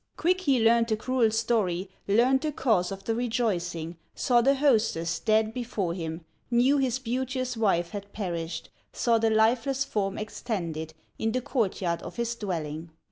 Quick he learned the cruel story, Learned the cause of the rejoicing, Saw the hostess dead before him, Knew his beauteous wife had perished, Saw the lifeless form extended, In the court yard of his dwelling.